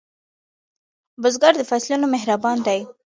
بزګر د فصلونو مهربان دی